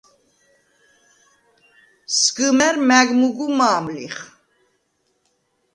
სგჷმა̈რ მა̈გ მუგუ მა̄მ ლიხ.